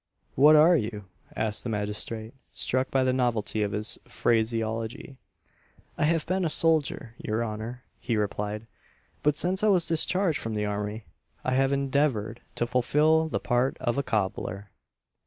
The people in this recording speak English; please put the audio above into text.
"What are you?" asked the magistrate, struck by the novelty of his phraseology. "I have been a soldier, your honour," he replied; "but since I was discharged from the army, I have endeavoured to fulfil the part of a cobbler."